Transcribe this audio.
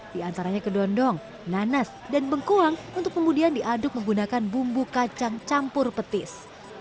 di antaranya kedondong nanas dan bengkuang untuk kemudian diaduk menggunakan bumbu kacang campur petis